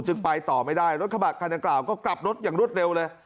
จึงไปต่อไม่ได้รถกระบะด้านกล่าวก็กลับรถอย่างรถเร็วเลย